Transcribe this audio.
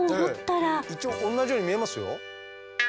一応同じように見えますよ。